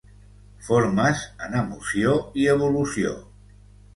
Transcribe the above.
Formes en emoció i evolució.